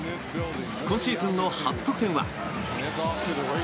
今シーズンの初得点は。